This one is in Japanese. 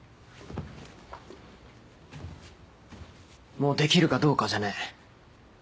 もうできるかどうかじゃねえ。